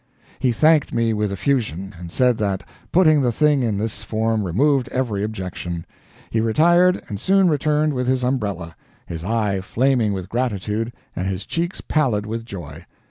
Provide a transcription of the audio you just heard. He thanked me with effusion, and said that putting the thing in this form removed every objection. He retired, and soon returned with his umbrella, his eye flaming with gratitude and his cheeks pallid with joy.